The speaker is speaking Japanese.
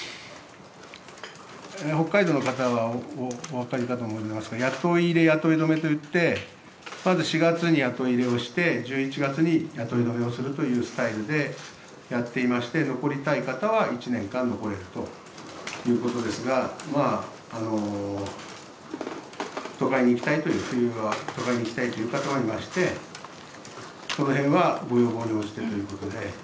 北海道の方はお分かりかと思いますが、雇い入れ、雇い止めといって、まず４月に雇い入れをして、１１月に雇い止めをするというスタイルでやっていまして、残りたい方は、１年間、残れるということですが、都会に行きたいという方がいまして、そのへんはご要望に応じてということで。